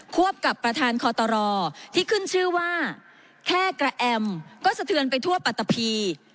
วบกับประธานคอตรที่ขึ้นชื่อว่าแค่กระแอมก็สะเทือนไปทั่วปัตตะพี